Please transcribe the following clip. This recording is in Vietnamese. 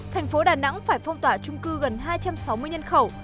tp đà nẵng phải phong tỏa trung cư gần hai trăm sáu mươi nhân khẩu